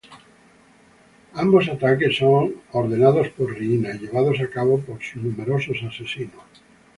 Ambos ataques son ordenados por Riina y llevados a cabo por sus numerosos asesinos.